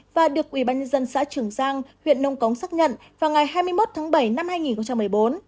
và được ủy ban dân xã trường giang huyện nông cống xác nhận vào ngày hai mươi một tháng bảy năm hai nghìn một mươi bốn